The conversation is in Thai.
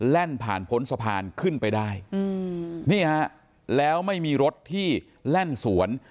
แล่นผ่านผลสะพานขึ้นไปได้แล้วไม่มีรถที่แล่นสวน